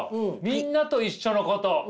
「みんなと一緒のこと」。